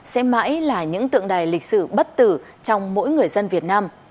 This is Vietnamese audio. sẽ mãi là những tượng đài lịch sử bất tử trong mỗi người dân việt nam